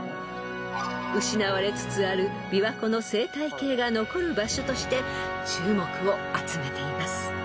［失われつつある琵琶湖の生態系が残る場所として注目を集めています］